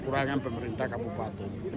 kekurangan pemerintah kabupaten